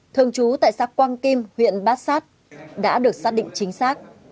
thường trú tại xã quang kim huyện bát sát đã được xác định chính xác